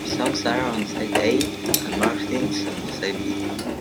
His songs are on side A and Martin's on side B.